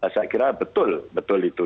saya kira betul betul itu